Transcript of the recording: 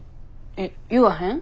えっ言わへん？